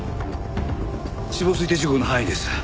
死亡推定時刻の範囲です。